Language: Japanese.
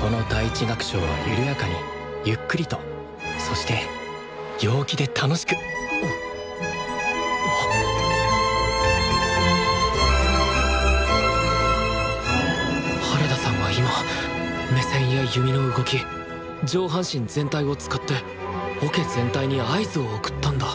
この第１楽章はゆるやかにゆっくりとそして陽気で楽しく原田さんは今目線や弓の動き上半身全体を使ってオケ全体に合図を送ったんだ